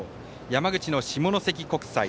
山口の下関国際。